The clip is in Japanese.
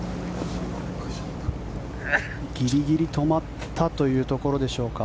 ギリギリ止まったというところでしょうか。